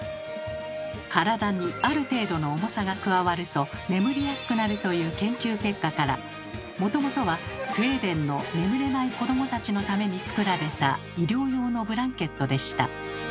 体にある程度の重さが加わると眠りやすくなるという研究結果からもともとはスウェーデンの眠れない子どもたちのために作られた医療用のブランケットでした。